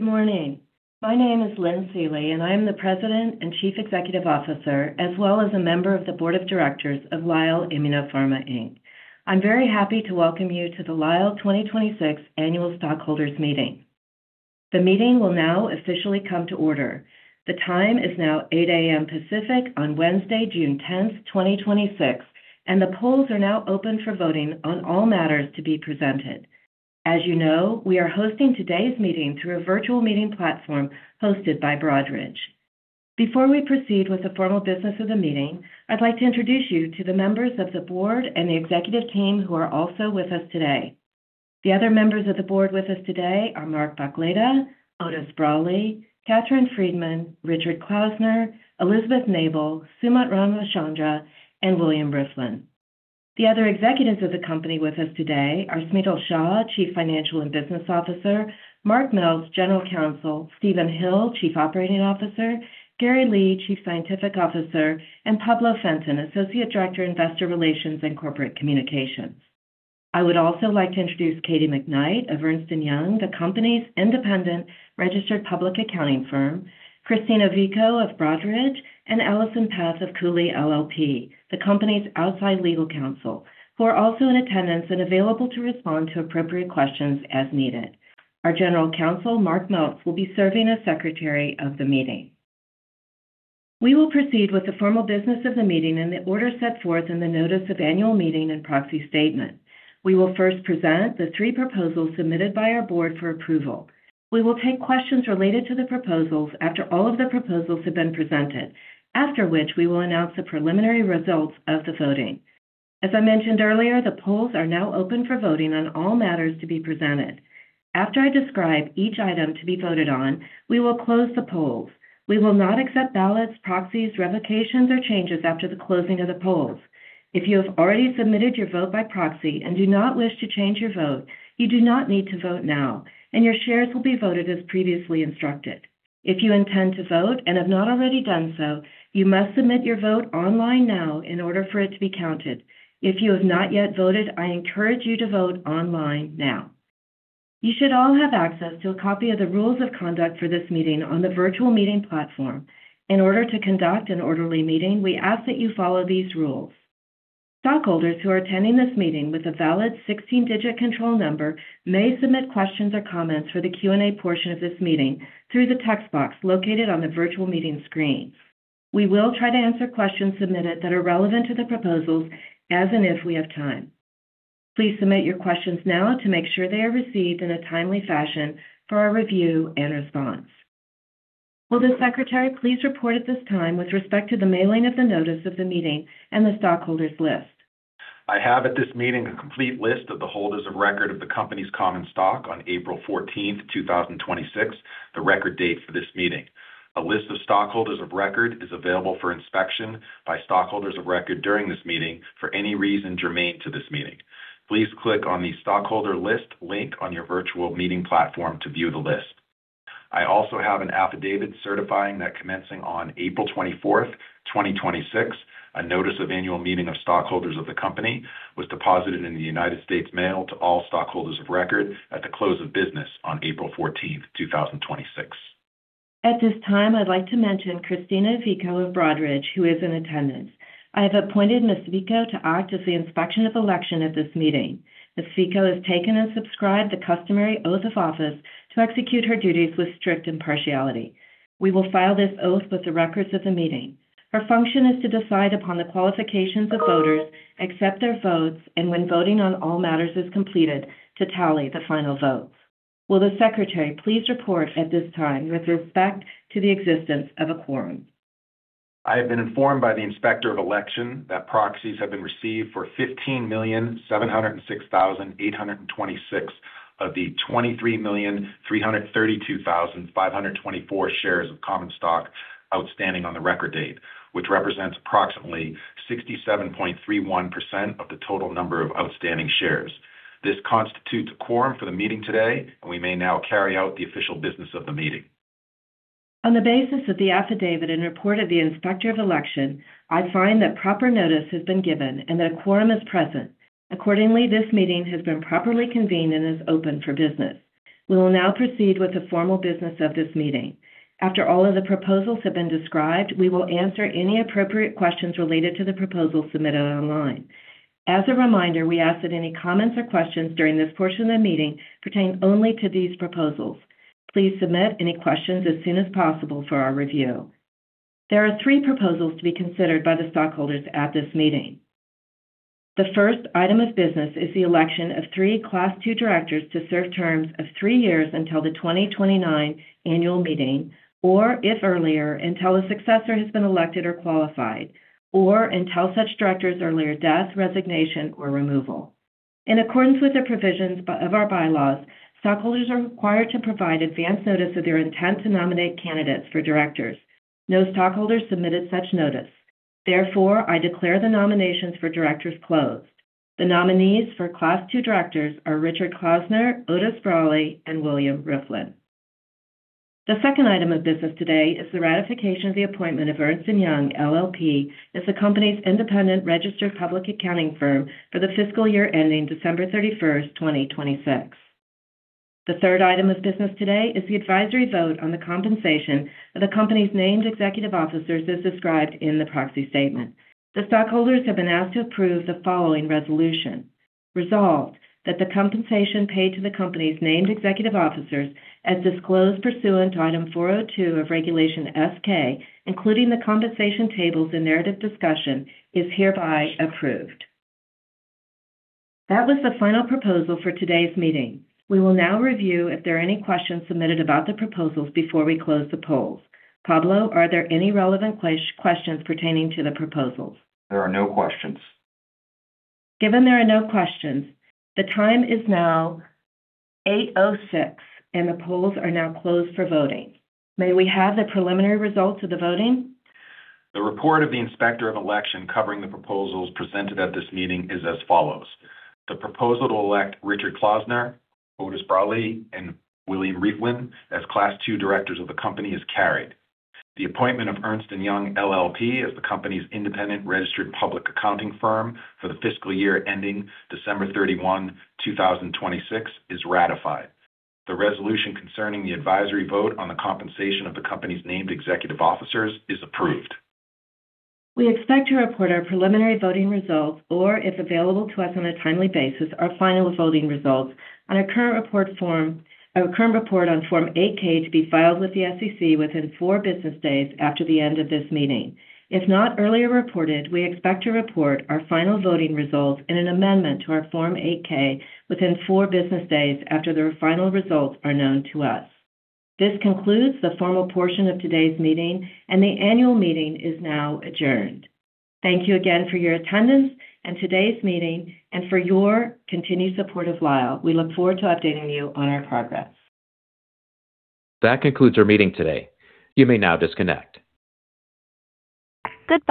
Good morning. My name is Lynn Seely, I am the President and CEO, as well as a member of the Board of Directors of Lyell Immunopharma, Inc. I'm very happy to welcome you to the Lyell 2026 Annual Stockholders Meeting. The meeting will now officially come to order. The time is now 8:00 A.M. Pacific on Wednesday, June 10th, 2026. The polls are now open for voting on all matters to be presented. As you know, we are hosting today's meeting through a virtual meeting platform hosted by Broadridge. Before we proceed with the formal business of the meeting, I'd like to introduce you to the members of the Board and the executive team who are also with us today. The other members of the Board with us today are Mark Bachleda, Otis Brawley, Catherine Friedman, Richard Klausner, Elizabeth Nabel, Sumant Ramachandra, and William Rieflin. The other executives of the company with us today are Smital Shah, Chief Financial and Business Officer, Mark Meltz, General Counsel, Stephen Hill, COO, Gary Lee, Chief Scientific Officer, and Pablo Fenton, Associate Director, Investor Relations and Corporate Communications. I would also like to introduce Katie McKnight of Ernst & Young, the company's independent registered public accounting firm, Christina Vico of Broadridge, and Allison Peth of Cooley LLP, the company's outside legal counsel, who are also in attendance and available to respond to appropriate questions as needed. Our General Counsel, Mark Meltz, will be serving as Secretary of the meeting. We will proceed with the formal business of the meeting in the order set forth in the notice of annual meeting and proxy statement. We will first present the three proposals submitted by our Board for approval. We will take questions related to the proposals after all of the proposals have been presented, after which we will announce the preliminary results of the voting. As I mentioned earlier, the polls are now open for voting on all matters to be presented. After I describe each item to be voted on, we will close the polls. We will not accept ballots, proxies, revocations, or changes after the closing of the polls. If you have already submitted your vote by proxy and do not wish to change your vote, you do not need to vote now. Your shares will be voted as previously instructed. If you intend to vote and have not already done so, you must submit your vote online now in order for it to be counted. If you have not yet voted, I encourage you to vote online now. You should all have access to a copy of the rules of conduct for this meeting on the virtual meeting platform. In order to conduct an orderly meeting, we ask that you follow these rules. Stockholders who are attending this meeting with a valid 16-digit control number may submit questions or comments for the Q&A portion of this meeting through the text box located on the virtual meeting screen. We will try to answer questions submitted that are relevant to the proposals as and if we have time. Please submit your questions now to make sure they are received in a timely fashion for our review and response. Will the Secretary please report at this time with respect to the mailing of the notice of the meeting and the stockholders list? I have at this meeting a complete list of the holders of record of the company's common stock on April 14th, 2026, the record date for this meeting. A list of stockholders of record is available for inspection by stockholders of record during this meeting for any reason germane to this meeting. Please click on the Stockholder List link on your virtual meeting platform to view the list. I also have an affidavit certifying that commencing on April 24th, 2026, a notice of annual meeting of stockholders of the company was deposited in the United States Mail to all stockholders of record at the close of business on April 14th, 2026. At this time, I'd like to mention Christina Vico of Broadridge, who is in attendance. I have appointed Ms. Vico to act as the Inspector of Election at this meeting. Ms. Vico has taken and subscribed the customary oath of office to execute her duties with strict impartiality. We will file this oath with the records of the meeting. Her function is to decide upon the qualifications of voters, accept their votes, and when voting on all matters is completed, to tally the final votes. Will the Secretary please report at this time with respect to the existence of a quorum? I have been informed by the Inspector of Election that proxies have been received for 15,706,826 of the 23,332,524 shares of common stock outstanding on the record date, which represents approximately 67.31% of the total number of outstanding shares. This constitutes a quorum for the meeting today, and we may now carry out the official business of the meeting. On the basis of the affidavit and report of the Inspector of Election, I find that proper notice has been given and that a quorum is present. Accordingly, this meeting has been properly convened and is open for business. We will now proceed with the formal business of this meeting. After all of the proposals have been described, we will answer any appropriate questions related to the proposals submitted online. As a reminder, we ask that any comments or questions during this portion of the meeting pertain only to these proposals. Please submit any questions as soon as possible for our review. There are three proposals to be considered by the stockholders at this meeting. The first item of business is the election of three Class Two directors to serve terms of three years until the 2029 annual meeting, or if earlier, until a successor has been elected or qualified, or until such director's earlier death, resignation, or removal. In accordance with the provisions of our bylaws, stockholders are required to provide advance notice of their intent to nominate candidates for directors. No stockholder submitted such notice. Therefore, I declare the nominations for directors closed. The nominees for Class Two directors are Richard Klausner, Otis Brawley, and William Rieflin. The second item of business today is the ratification of the appointment of Ernst & Young LLP as the company's independent registered public accounting firm for the fiscal year ending December 31st 2026. The third item of business today is the advisory vote on the compensation of the company's named executive officers as described in the proxy statement. The stockholders have been asked to approve the following resolution. Resolved, that the compensation paid to the company's named executive officers, as disclosed pursuant to Item 402 of Regulation S-K, including the compensation tables and narrative discussion, is hereby approved. That was the final proposal for today's meeting. We will now review if there are any questions submitted about the proposals before we close the polls. Pablo, are there any relevant questions pertaining to the proposals? There are no questions. Given there are no questions, the time is now 8:06, and the polls are now closed for voting. May we have the preliminary results of the voting? The report of the Inspector of Election covering the proposals presented at this meeting is as follows. The proposal to elect Richard Klausner, Otis Brawley, and William Rieflin as Class II Directors of the company is carried. The appointment of Ernst & Young LLP as the company's independent registered public accounting firm for the fiscal year ending December 31st 2026 is ratified. The resolution concerning the advisory vote on the compensation of the company's named executive officers is approved. We expect to report our preliminary voting results or, if available to us on a timely basis, our final voting results on our current report on Form 8-K to be filed with the SEC within four business days after the end of this meeting. If not earlier reported, we expect to report our final voting results in an amendment to our Form 8-K within four business days after the final results are known to us. This concludes the formal portion of today's meeting, and the annual meeting is now adjourned. Thank you again for your attendance in today's meeting and for your continued support of Lyell. We look forward to updating you on our progress. That concludes our meeting today. You may now disconnect. Goodbye.